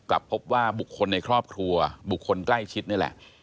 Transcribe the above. กลับพบว่าบุคคลในครอบครัวบุคคลใกล้ชิดนี่แหละ